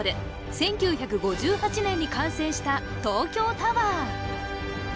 １９５８年に完成した東京タワー